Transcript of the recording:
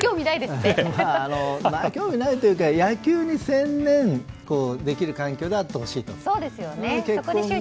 興味ないというか、野球に専念できる環境があってほしいと。